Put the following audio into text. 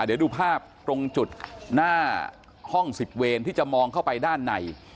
เดี๋ยวดูภาพตรงจุดหน้าห้อง๑๐เวนที่จะมองเข้าไปด้านใน